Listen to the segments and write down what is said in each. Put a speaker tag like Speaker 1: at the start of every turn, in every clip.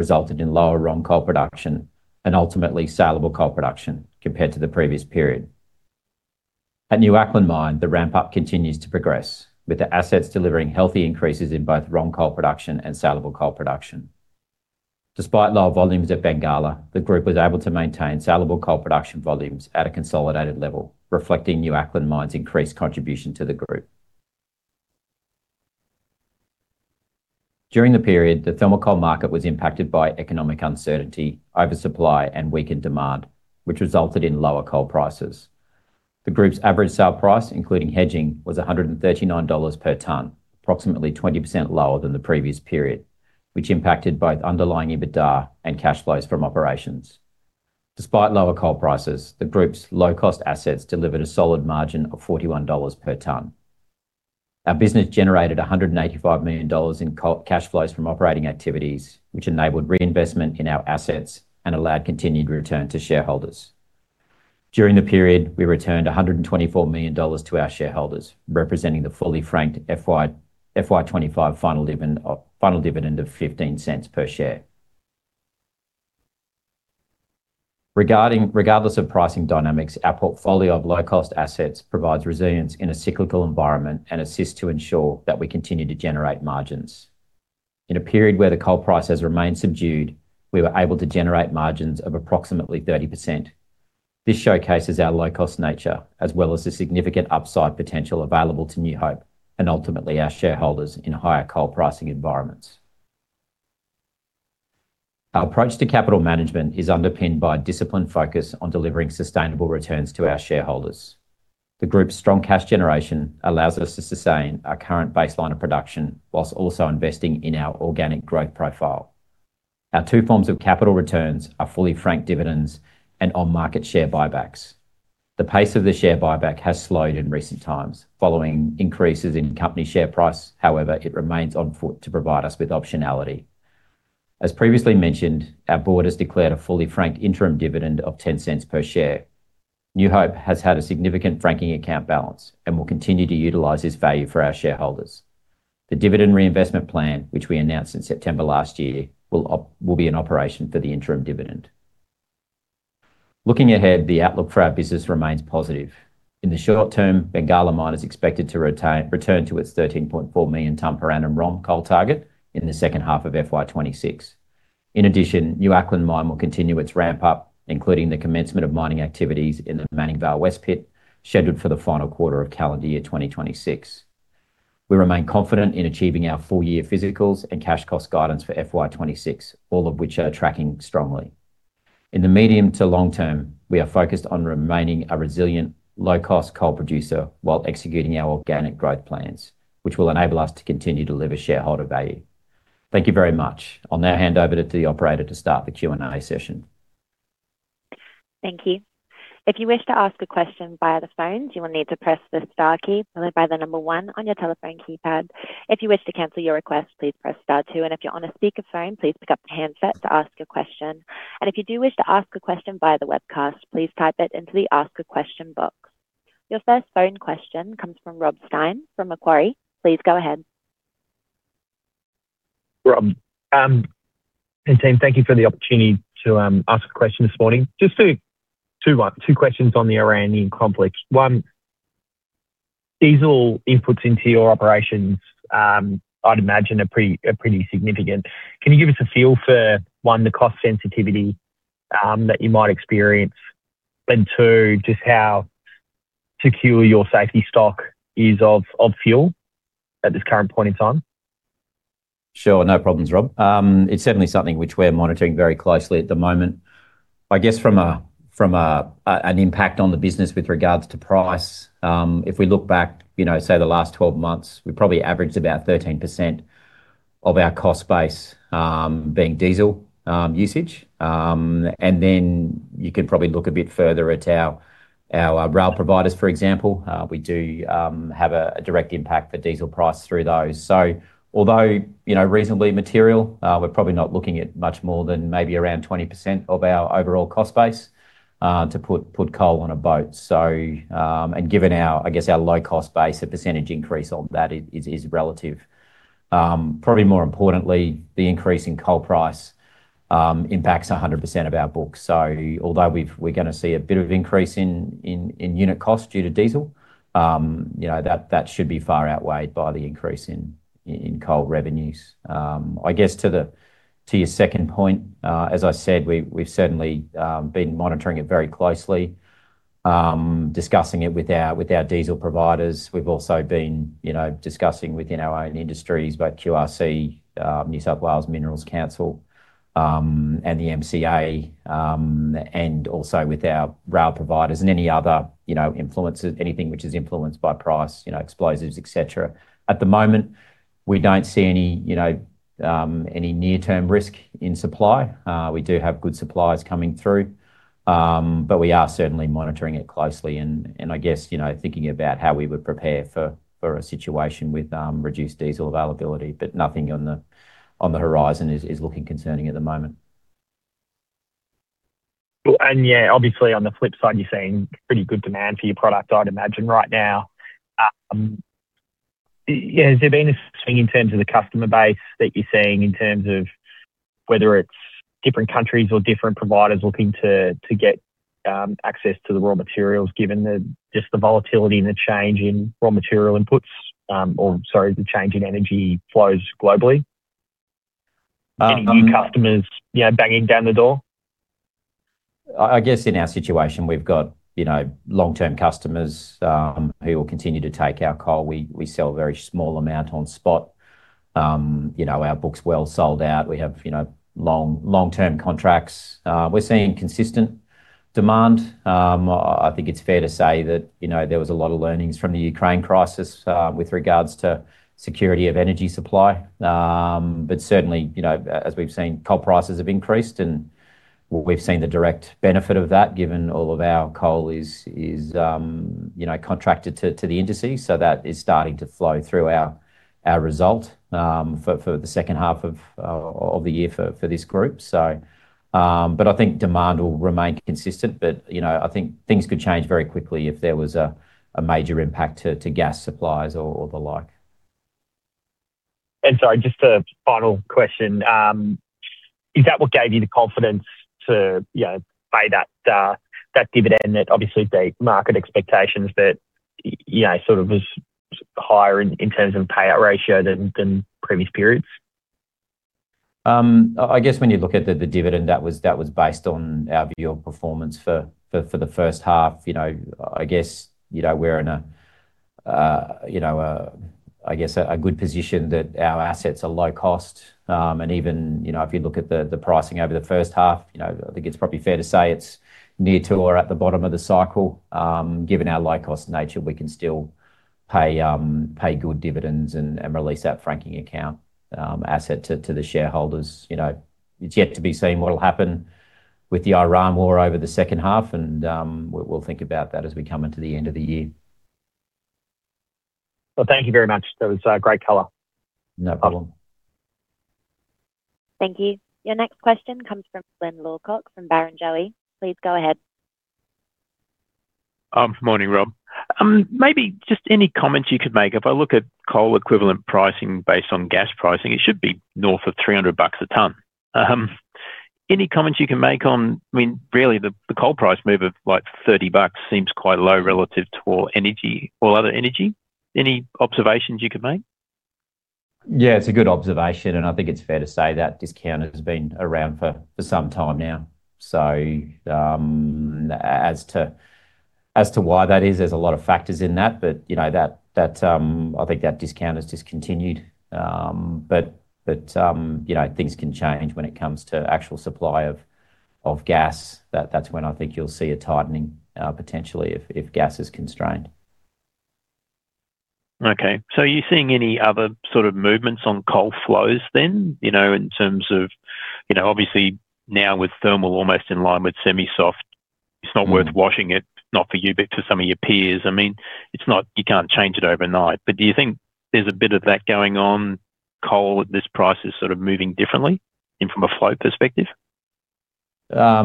Speaker 1: Resulted in lower raw coal production and ultimately saleable coal production compared to the previous period. At New Acland Mine, the ramp up continues to progress, with the assets delivering healthy increases in both raw coal production and saleable coal production. Despite lower volumes at Bengalla Mine, the group was able to maintain saleable coal production volumes at a consolidated level, reflecting New Acland Mine's increased contribution to the group. During the period, the thermal coal market was impacted by economic uncertainty, oversupply, and weakened demand, which resulted in lower coal prices. The group's average sale price, including hedging, was 139 dollars per ton, approximately 20% lower than the previous period, which impacted both underlying EBITDA and cash flows from operations. Despite lower coal prices, the group's low-cost assets delivered a solid margin of 41 dollars per ton. Our business generated 185 million dollars in cash flows from operating activities, which enabled reinvestment in our assets and allowed continued return to shareholders. During the period, we returned 124 million dollars to our shareholders, representing the fully franked FY 2025 final dividend of 0.15 per share. Regardless of pricing dynamics, our portfolio of low-cost assets provides resilience in a cyclical environment and assists to ensure that we continue to generate margins. In a period where the coal price has remained subdued, we were able to generate margins of approximately 30%. This showcases our low-cost nature as well as the significant upside potential available to New Hope and ultimately our shareholders in higher coal pricing environments. Our approach to capital management is underpinned by a disciplined focus on delivering sustainable returns to our shareholders. The group's strong cash generation allows us to sustain our current baseline of production while also investing in our organic growth profile. Our two forms of capital returns are fully franked dividends and on-market share buybacks. The pace of the share buyback has slowed in recent times following increases in company share price. However, it remains on foot to provide us with optionality. As previously mentioned, our board has declared a fully franked interim dividend of 0.10 per share. New Hope has had a significant franking account balance and will continue to utilize this value for our shareholders. The dividend reinvestment plan, which we announced in September last year, will be in operation for the interim dividend. Looking ahead, the outlook for our business remains positive. In the short term, Bengalla Mine is expected to return to its 13.4 million ton per annum raw coal target in the second half of FY 2026. In addition, New Acland Mine will continue its ramp up, including the commencement of mining activities in the Manning Vale West pit, scheduled for the final quarter of calendar year 2026. We remain confident in achieving our full year physicals and cash cost guidance for FY26, all of which are tracking strongly. In the medium to long term, we are focused on remaining a resilient, low-cost coal producer while executing our organic growth plans, which will enable us to continue to deliver shareholder value. Thank you very much. I'll now hand over to the operator to start the Q&A session.
Speaker 2: Thank you. If you wish to ask a question via the phones, you will need to press the star key followed by the number one on your telephone keypad. If you wish to cancel your request, please press star two. If you're on a speaker phone, please pick up the handset to ask a question. If you do wish to ask a question via the webcast, please type it into the ask a question box. Your first phone question comes from Rob Stein from Macquarie. Please go ahead.
Speaker 3: Rob and team, thank you for the opportunity to ask a question this morning. Just two questions on the Iranian conflict. One, diesel inputs into your operations, I'd imagine are pretty significant. Can you give us a feel for one, the cost sensitivity that you might experience? Two, just how secure your safety stock is of fuel at this current point in time?
Speaker 1: Sure. No problems, Rob. It's certainly something which we're monitoring very closely at the moment. I guess from an impact on the business with regards to price, if we look back, you know, say the last 12 months, we probably averaged about 13% of our cost base being diesel usage. Then you could probably look a bit further at our rail providers, for example. We do have a direct impact for diesel price through those. Although, you know, reasonably material, we're probably not looking at much more than maybe around 20% of our overall cost base to put coal on a boat. Given our low-cost base, the percentage increase on that is relative. Probably more importantly, the increase in coal price impacts 100% of our books. Although we're gonna see a bit of increase in unit cost due to diesel, you know, that should be far outweighed by the increase in coal revenues. I guess to your second point, as I said, we've certainly been monitoring it very closely, discussing it with our diesel providers. We've also been you know discussing within our own industries, both QRC, New South Wales Minerals Council, and the MCA, and also with our rail providers and any other you know influences, anything which is influenced by price, you know, explosives, et cetera. At the moment, we don't see any you know any near term risk in supply. We do have good suppliers coming through. We are certainly monitoring it closely and I guess, you know, thinking about how we would prepare for a situation with reduced diesel availability, but nothing on the horizon is looking concerning at the moment.
Speaker 3: Yeah, obviously on the flip side, you're seeing pretty good demand for your product, I'd imagine right now. Yeah, has there been a thing in terms of the customer base that you're seeing in terms of whether it's different countries or different providers looking to get access to the raw materials, given the just the volatility and the change in raw material inputs, or sorry, the change in energy flows globally? Any new customers, you know, banging down the door?
Speaker 1: I guess in our situation, we've got, you know, long-term customers who will continue to take our coal. We sell a very small amount on spot. You know, our book's well sold out. We have, you know, long-term contracts. We're seeing consistent demand. I think it's fair to say that, you know, there was a lot of learnings from the Ukraine crisis with regards to security of energy supply. Certainly, you know, as we've seen, coal prices have increased, and we've seen the direct benefit of that given all of our coal is, you know, contracted to the indices. That is starting to flow through our result for the second half of the year for this group. I think demand will remain consistent, but, you know, I think things could change very quickly if there was a major impact to gas supplies or the like.
Speaker 3: Sorry, just a final question. Is that what gave you the confidence to, you know, pay that that dividend that obviously the market expectations but, you know, sort of was higher in terms of payout ratio than previous periods?
Speaker 1: I guess when you look at the dividend, that was based on our year of performance for the first half. You know, I guess, you know, we're in a good position that our assets are low cost. Even, you know, if you look at the pricing over the first half, you know, I think it's probably fair to say it's near to or at the bottom of the cycle. Given our low-cost nature, we can still pay good dividends and release that franking account asset to the shareholders. You know, it's yet to be seen what'll happen with the Iran war over the second half, and we'll think about that as we come into the end of the year.
Speaker 3: Well, thank you very much. That was great color.
Speaker 1: No problem.
Speaker 2: Thank you. Your next question comes from Glyn Lawcock from Barrenjoey. Please go ahead.
Speaker 4: Morning, Rob. Maybe just any comments you could make. If I look at coal equivalent pricing based on gas pricing, it should be north of 300 bucks a ton. Any comments you can make on, I mean, really the coal price move of like 30 bucks seems quite low relative to all energy, all other energy. Any observations you could make?
Speaker 1: Yeah, it's a good observation, and I think it's fair to say that discount has been around for some time now. As to why that is, there's a lot of factors in that. You know, I think that discount has just continued. You know, things can change when it comes to actual supply of gas. That's when I think you'll see a tightening, potentially if gas is constrained.
Speaker 4: Okay. Are you seeing any other sort of movements on coal flows then? You know, in terms of, you know, obviously now with thermal almost in line with semi-soft, it's not worth washing it, not for you, but for some of your peers. I mean, it's not, you can't change it overnight. Do you think there's a bit of that going on, coal at this price is sort of moving differently in from a flow perspective?
Speaker 1: I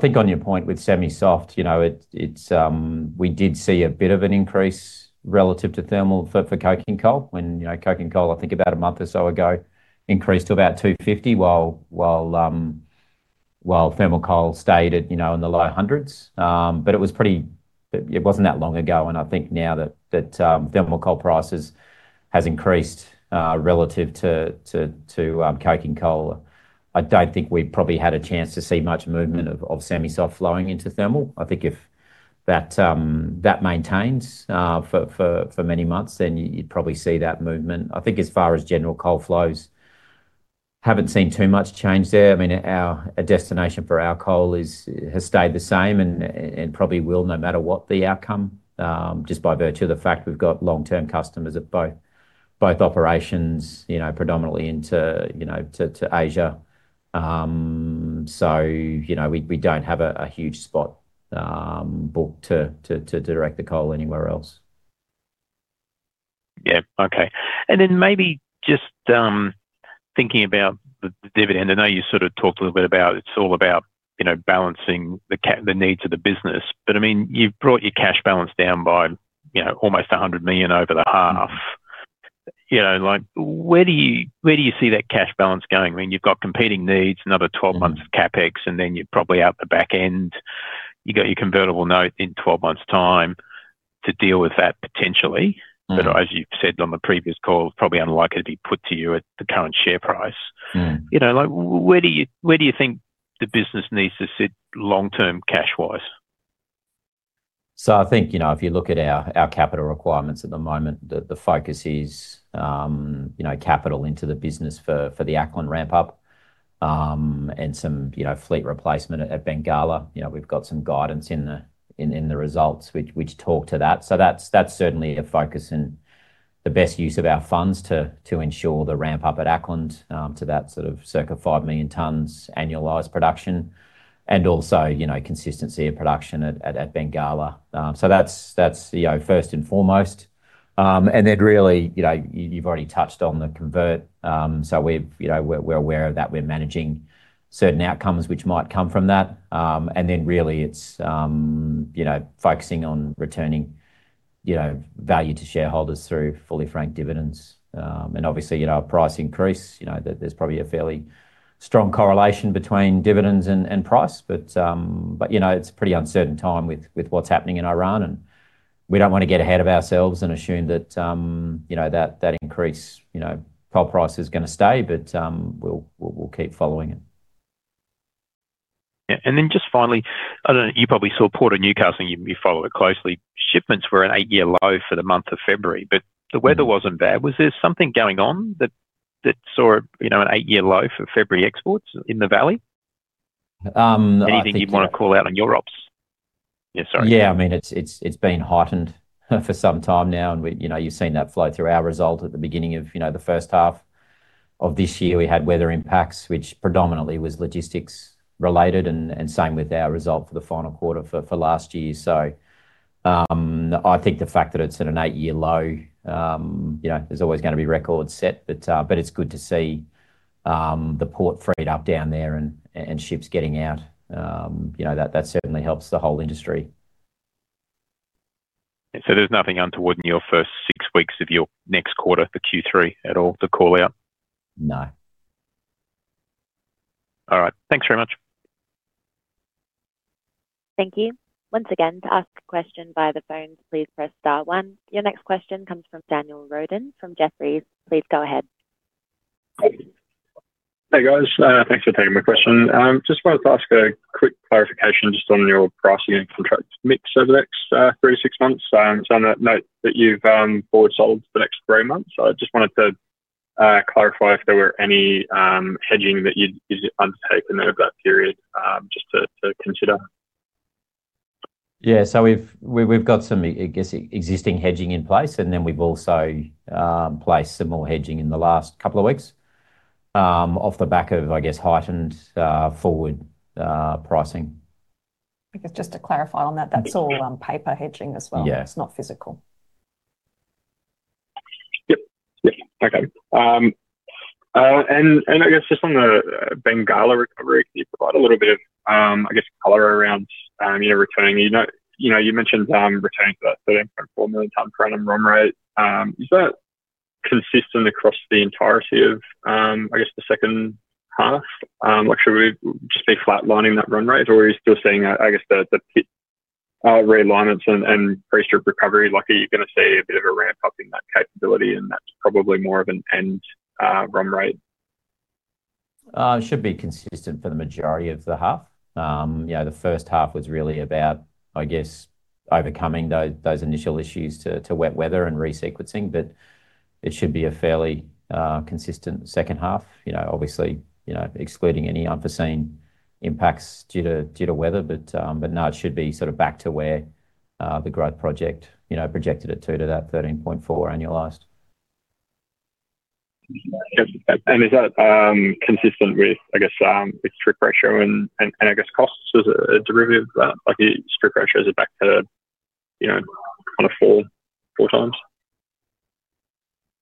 Speaker 1: think on your point with semi-soft, you know, it's, we did see a bit of an increase relative to thermal, for coking coal when you know, coking coal I think about a month or so ago increased to about 250, while thermal coal stayed at, you know, in the low hundreds. It was pretty, it wasn't that long ago. I think now that thermal coal prices has increased relative to coking coal. I don't think we've probably had a chance to see much movement of semi-soft flowing into thermal. I think if that maintains for many months, then you'd probably see that movement. I think as far as general coal flows, haven't seen too much change there. I mean, our destination for our coal has stayed the same and probably will no matter what the outcome, just by virtue of the fact we've got long-term customers at both operations, you know, predominantly you know to Asia. You know, we don't have a huge spot booked to direct the coal anywhere else.
Speaker 4: Yeah. Okay. Maybe just thinking about the dividend. I know you sort of talked a little bit about it's all about, you know, balancing the needs of the business. But I mean, you've brought your cash balance down by, you know, almost 100 million over the half. You know, like where do you see that cash balance going? I mean, you've got competing needs, another 12 months of CapEx, and then you're probably out the back end. You got your convertible note in 12 months' time to deal with that potentially. As you've said on the previous call, it's probably unlikely to be put to you at the current share price. You know, like where do you think the business needs to sit long-term cash-wise?
Speaker 1: I think, you know, if you look at our capital requirements at the moment, the focus is, you know, capital into the business for the Acland ramp-up, and some, you know, fleet replacement at Bengalla. You know, we've got some guidance in the results which talk to that. That's certainly a focus and the best use of our funds to ensure the ramp-up at Acland to that sort of circa 5 million tons annualized production and also, you know, consistency of production at Bengalla. That's, you know, first and foremost. Then really, you know, you've already touched on the convert. We've, you know, we're aware of that. We're managing certain outcomes which might come from that. Really it's you know, focusing on returning value to shareholders through fully franked dividends. Obviously you know, a price increase you know, there's probably a fairly strong correlation between dividends and price. You know, it's a pretty uncertain time with what's happening in Iran, and we don't wanna get ahead of ourselves and assume that you know, that increase you know, coal price is gonna stay. We'll keep following it.
Speaker 4: Yeah. Just finally, I don't know, you probably saw Port of Newcastle and you follow it closely. Shipments were an eight-year low for the month of February, but the weather wasn't bad. Was there something going on that saw you know, an eight-year low for February exports in the valley?
Speaker 1: I think.
Speaker 4: Anything you'd wanna call out on your ops? Yeah, sorry.
Speaker 1: Yeah. I mean, it's been heightened for some time now, and we. You know, you've seen that flow through our result at the beginning of, you know, the first half of this year. We had weather impacts, which predominantly was logistics related and same with our result for the final quarter for last year. I think the fact that it's at an eight-year low, you know, there's always gonna be records set, but it's good to see the port freed up down there and ships getting out. You know, that certainly helps the whole industry.
Speaker 4: There's nothing untoward in your first six weeks of your next quarter for Q3 at all to call out?
Speaker 1: No.
Speaker 4: All right. Thanks very much.
Speaker 2: Thank you. Once again, to ask a question via the phones, please press star one. Your next question comes from Daniel Roden from Jefferies. Please go ahead.
Speaker 5: Hey, guys. Thanks for taking my question. Just wanted to ask a quick clarification just on your pricing and contract mix over the next three to six months. I know that you've forward sold for the next three months. I just wanted to clarify if there were any hedging that you'd undertake in that period just to consider.
Speaker 1: Yeah. We've got some existing hedging in place, and then we've also placed some more hedging in the last couple of weeks off the back of, I guess, heightened forward pricing.
Speaker 6: I guess just to clarify on that's all, paper hedging as well.
Speaker 1: Yeah.
Speaker 6: It's not physical.
Speaker 5: Yep. Okay. I guess just on the Bengalla recovery, can you provide a little bit of, I guess color around, you know, returning. You know, you mentioned, returning to that 13.4 million ton per annum run rate. Is that consistent across the entirety of, I guess the second half? Like should we just be flatlining that run rate or are you still seeing, I guess the pit realignments and resource strip recovery? Like are you gonna see a bit of a ramp-up in that capability and that's probably more of an end run rate?
Speaker 1: It should be consistent for the majority of the half. You know, the first half was really about, I guess, overcoming those initial issues to wet weather and resequencing, but it should be a fairly consistent second half. You know, obviously, you know, excluding any unforeseen impacts due to weather. But no, it should be sort of back to where the growth project, you know, projected it to that 13.4 annualized.
Speaker 5: Yep. Is that consistent with, I guess, with strip ratio and I guess costs as a derivative of that? Like strip ratio, is it back to, you know, kind of 4x?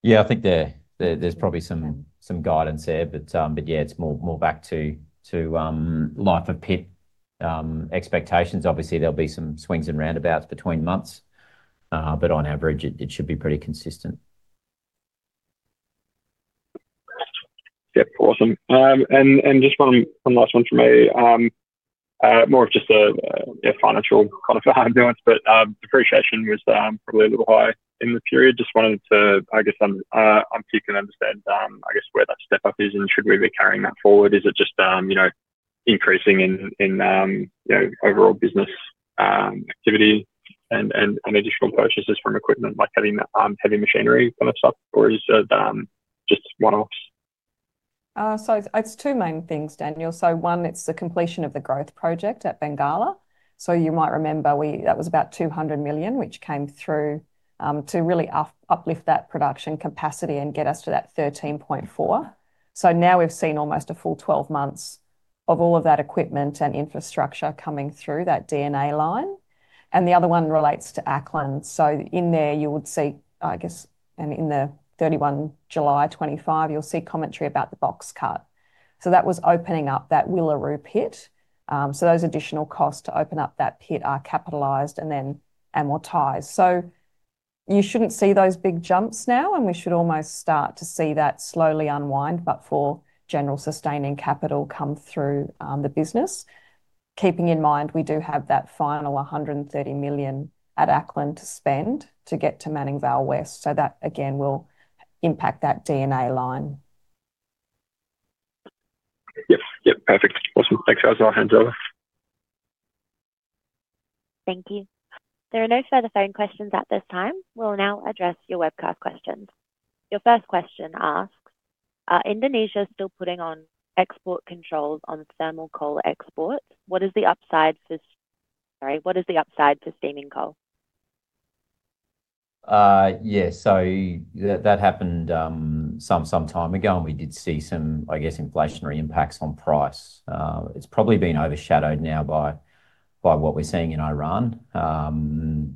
Speaker 1: Yeah, I think there's probably some guidance there. Yeah, it's more back to life of pit expectations. Obviously there'll be some swings and roundabouts between months, but on average it should be pretty consistent.
Speaker 5: Yep, awesome. Just one last one from me. More of just a financial kind of nuance, but depreciation was probably a little high in the period. Just wanted to. I guess I'm keen to understand I guess where that step up is, and should we be carrying that forward? Is it just you know increasing in you know overall business activity and additional purchases from equipment like heavy machinery kind of stuff? Or is it just one-offs?
Speaker 6: It's two main things, Daniel. One, it's the completion of the growth project at Bengalla. You might remember that was about 200 million, which came through to really uplift that production capacity and get us to that 13.4. Now we've seen almost a full 12 months of all of that equipment and infrastructure coming through that D&A line. The other one relates to Acland. In there you would see, I guess, and in the 31 July 2025, you'll see commentary about the box cut. That was opening up that Willeroo pit. Those additional costs to open up that pit are capitalized and then amortized. You shouldn't see those big jumps now, and we should almost start to see that slowly unwind, but for general sustaining capital come through the business. Keeping in mind, we do have that final 130 million at Acland to spend to get to Manning Vale West. That again will impact that D&A line.
Speaker 5: Yep. Yep. Perfect. Awesome. Thanks. I'll hand over.
Speaker 2: Thank you. There are no further phone questions at this time. We'll now address your webcast questions. Your first question asks, are Indonesia still putting on export controls on thermal coal exports? What is the upside for steaming coal?
Speaker 1: Yeah. That happened some time ago, and we did see some, I guess, inflationary impacts on price. It's probably been overshadowed now by what we're seeing in Iran.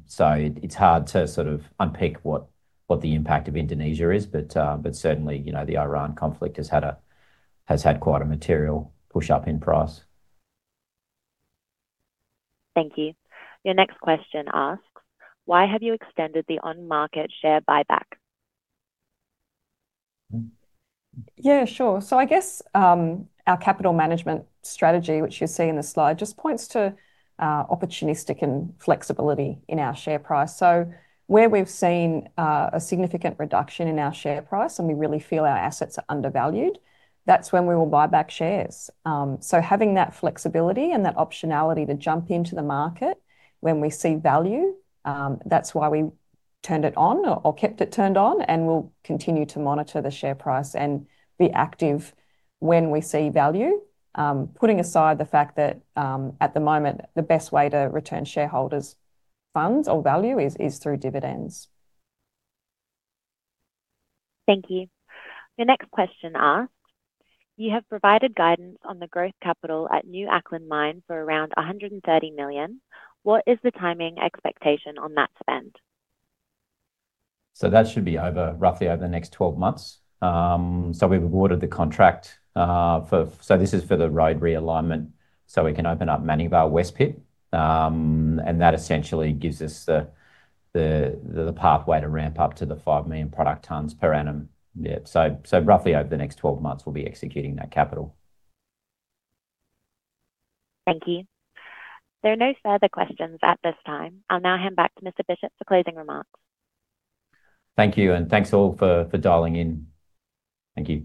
Speaker 1: It's hard to sort of unpick what the impact of Indonesia is. But certainly, you know, the Iran conflict has had quite a material push up in price.
Speaker 2: Thank you. Your next question asks, why have you extended the on-market share buyback?
Speaker 6: Yeah, sure. I guess our capital management strategy, which you see in the slide, just points to opportunistic and flexibility in our share price. Where we've seen a significant reduction in our share price and we really feel our assets are undervalued, that's when we will buy back shares. Having that flexibility and that optionality to jump into the market when we see value, that's why we turned it on or kept it turned on and will continue to monitor the share price and be active when we see value. Putting aside the fact that at the moment the best way to return shareholders funds or value is through dividends.
Speaker 2: Thank you. The next question asks, you have provided guidance on the growth capital at New Acland Mine for around 130 million. What is the timing expectation on that spend?
Speaker 1: That should be over, roughly over the next 12 months. We've awarded the contract. This is for the road realignment so we can open up Manning Vale West pit. That essentially gives us the pathway to ramp up to the 5 million product tons per annum. Roughly over the next 12 months we'll be executing that capital.
Speaker 2: Thank you. There are no further questions at this time. I'll now hand back to Mr. Bishop for closing remarks.
Speaker 1: Thank you, and thanks all for dialing in. Thank you.